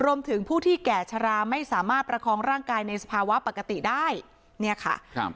รวมถึงผู้ที่แก่ชะลาไม่สามารถประคองร่างกายในสภาวะปกติได้เนี่ยค่ะครับ